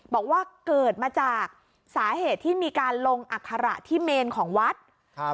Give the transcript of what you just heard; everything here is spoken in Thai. บอกว่าเกิดมาจากสาเหตุที่มีการลงอัคระที่เมนของวัดครับ